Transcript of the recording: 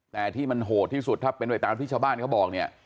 แต่ที่มันโหดที่สุดถ้าเป็นไปตามที่ชาวบ้านเขาบอกเนี่ย